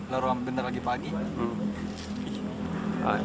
lalu sebentar lagi pagi